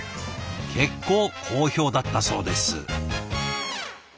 結構好評だったそうです。